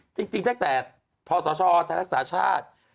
จริงแต่พ่อสชทหลักศาสตร์ชาติ